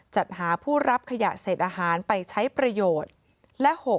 จัดหาผู้รับขยะเศษอาหารไปใช้ประโยชน์